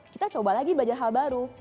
kita coba lagi belajar hal baru